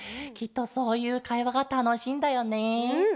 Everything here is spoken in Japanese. きっとそういうかいわがたのしいんだよね。